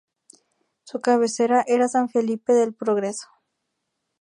Su cabecera era San Felipe del Progreso.